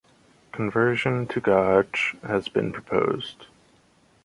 Conversion to gauge has been proposed.